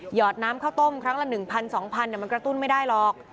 อดน้ำข้าวต้มครั้งละ๑๐๐๒๐๐บาทมันกระตุ้นไม่ได้หรอก